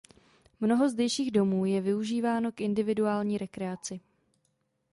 Mnoho zdejších domů je využíváno k individuální rekreaci.